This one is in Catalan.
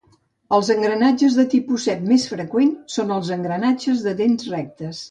Els engranatges de tipus cep més freqüents són els engranatges de dents rectes.